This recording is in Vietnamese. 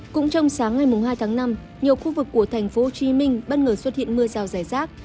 cũng trong sáng ngày hai tháng năm nhiều khu vực của thành phố hồ chí minh bất ngờ xuất hiện mưa rào rải rác